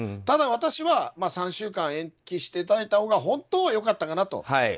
ただ、私は３週間延期していただいたほうが本当は良かったかなと。